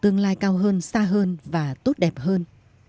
tương lai cao hơn xa hơn và tốt đẹp hơn